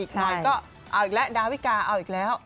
หน่อยก็เอาอีกแล้วดาวิกาเอาอีกแล้ว